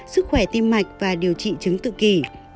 sức khỏe tim mạch và điều trị chứng tự kỷ